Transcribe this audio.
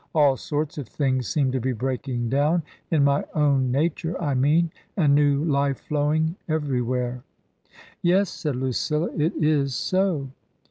" All sorts of things seem to be breaking down — in my own nature I mean — and new life flowing every where." " Yes," said Lucilla, " it is so."